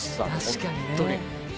確かにね。